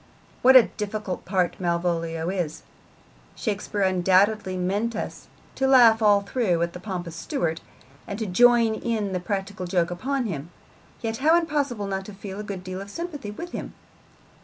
What a difficult part Malvolio is! Shakespeare undoubtedly meant us to laugh all through at the pompous steward, and to join in the practical joke upon him, and yet how impossible not to feel a good deal of sympathy with him!